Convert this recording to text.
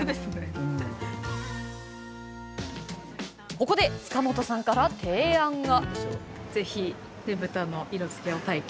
ここで塚本さんから提案が。